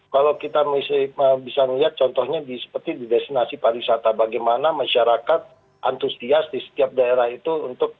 kalau kita bisa melihat contohnya seperti di destinasi pariwisata bagaimana masyarakat antusias di setiap daerah itu untuk